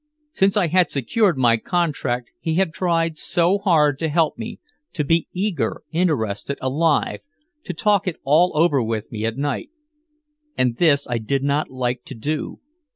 Since I had secured my contract he had tried so hard to help me, to be eager, interested, alive, to talk it all over with me at night. And this I did not like to do.